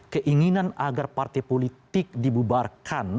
keinginan agar partai politik dibubarkan